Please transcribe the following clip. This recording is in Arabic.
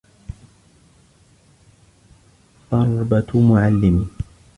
ضَرْبَة مُعَلِّمٍ